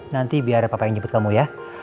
nanti biar papa yang jemput kamu ya